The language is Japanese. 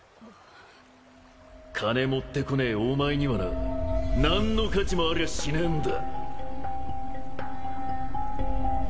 金持ってこねえお前にはな何の価値もありゃしねえんだ